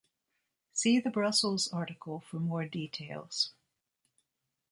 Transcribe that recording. See the Brussels article for more details.